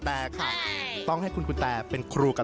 สวัสดีครับมาเจอกับแฟแล้วนะครับ